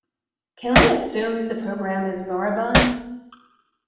Can we assume that the program is moribund?